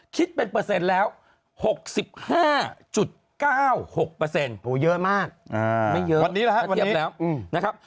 คิดเป็นเปอร์เซ็นต์แล้ว๖๕๙๖โหเยอะมากไม่เยอะวันนี้แล้วนะครับ